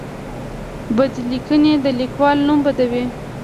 بدې لیکنې د لیکوال نوم بدوي.